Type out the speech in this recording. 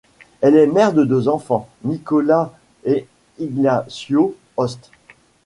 Elle est mère de deux enfants, Nicolás et Ignacio Yost.